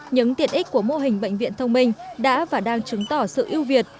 những tiện ích của mô hình bệnh viện thông minh đã và đang chứng tỏ sự ưu việt